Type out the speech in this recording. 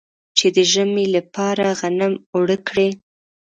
چې د ژمي لپاره غنم اوړه کړي.